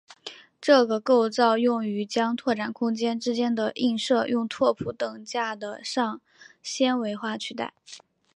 这个构造用于将拓扑空间之间的映射用拓扑等价的上纤维化取代。